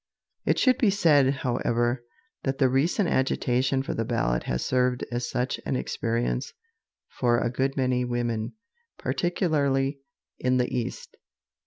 It should be said, however, that the recent agitation for the ballot has served as such an experience for a good many women, particularly in the East.